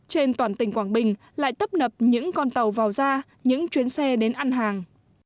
trên toàn tỉnh quảng bình lại tấp nập những con tàu vào ra những chuyến xe đến ăn hàng